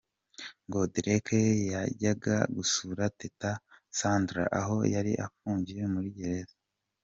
Ngo Derek yajyaga gusura Teta Sandra aho yari afungiye muri gereza.